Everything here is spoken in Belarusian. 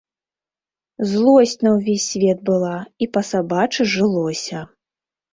Злосць на ўвесь свет была, і па-сабачы жылося.